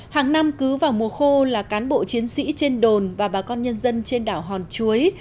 hàng năm cứ vào mùa khô là cán bộ chiến sĩ trên đồn và bà con nhân dân trên đảo hòn chuối